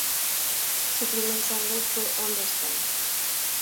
Su primer single fue "Understand".